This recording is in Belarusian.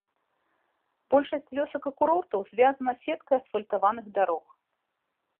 Большасць вёсак і курортаў звязана сеткай асфальтаваных дарог.